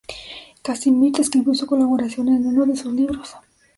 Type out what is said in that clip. Casimir describió su colaboración en uno de sus libros.